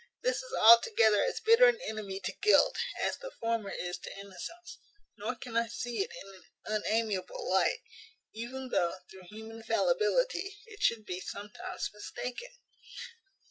This is altogether as bitter an enemy to guilt as the former is to innocence: nor can I see it in an unamiable light, even though, through human fallibility, it should be sometimes mistaken.